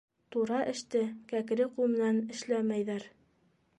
Тура эште кәкре ҡул менән эшләмәйҙәр!